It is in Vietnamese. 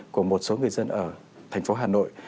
của một số người dân ở thành phố hà nội